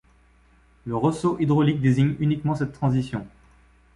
Le ressaut hydraulique désigne uniquement cette transition.